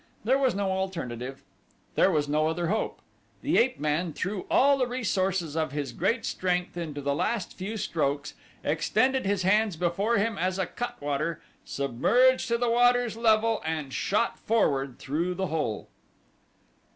There was no alternative there was no other hope. The ape man threw all the resources of his great strength into the last few strokes, extended his hands before him as a cutwater, submerged to the water's level and shot forward toward the hole.